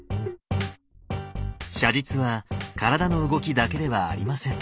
写実は体の動きだけではありません。